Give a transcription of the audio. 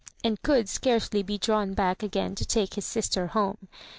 " and could scarcely be drawn back again to take his sister home.